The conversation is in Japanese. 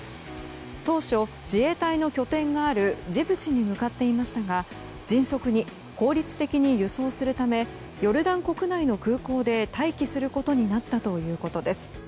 当初、自衛隊の拠点があるジブチに向かっていましたが迅速に、効率的に輸送するためヨルダン国内の空港で待機することになったということです。